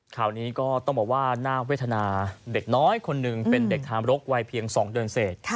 ข่าวนี้ก็ต้องบอกว่าน่าเวทนาเด็กน้อยคนหนึ่งเป็นเด็กทามรกวัยเพียง๒เดือนเศษ